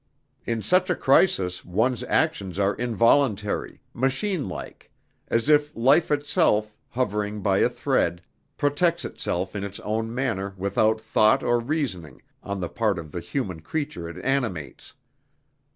In such a crisis one's actions are involuntary, machine like, as if life itself, hovering by a thread, protects itself in its own manner without thought or reasoning on the part of the human creature it animates.